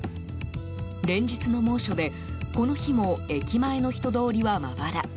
連日の猛暑でこの日も駅前の人通りは、まばら。